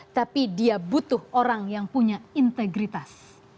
tapi dia butuh orang yang punya integritas